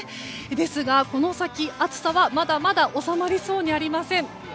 ですが、この先、暑さはまだまだ収まりそうにありません。